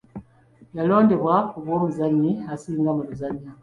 Yalondebwa ku bwomuzannyi asinga mu luzannya.